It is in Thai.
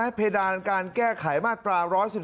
เพดานการแก้ไขมาตรา๑๑๒